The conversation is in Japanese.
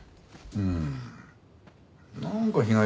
うん。